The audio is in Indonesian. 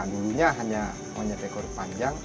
dulunya hanya punya dekor panjang